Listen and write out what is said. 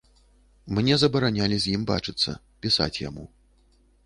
Мне забаранялі з ім бачыцца, пісаць яму.